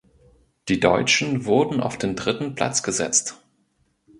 Die Deutschen wurden auf den dritten Platz gesetzt.